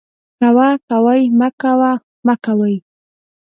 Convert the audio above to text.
کوه ، کوئ ، مکوه ، مکوئ